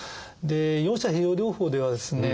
四者併用療法ではですね